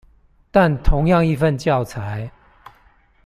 但同樣一份教材